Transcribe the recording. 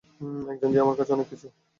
একজন যে আমার কাছে অনেক কিছু।